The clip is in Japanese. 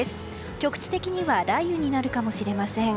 局地的には雷雨になるかもしれません。